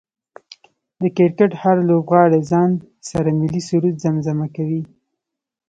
د کرکټ هر لوبغاړی ځان سره ملي سرود زمزمه کوي